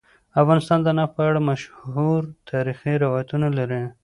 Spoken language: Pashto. افغانستان د نفت په اړه مشهور تاریخی روایتونه لري.